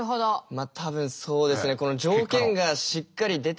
まあ多分そうですね条件がしっかり出てる。